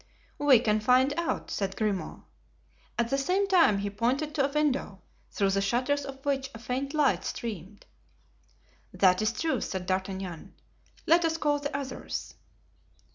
"We can find out," said Grimaud. At the same time he pointed to a window, through the shutters of which a faint light streamed. "That is true," said D'Artagnan, "let us call the others."